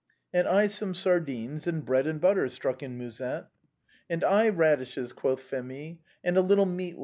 And I some sardines, and bread and butter," struck in Musette. " And I, radishes," quoth Phémie, " and a little meat with them."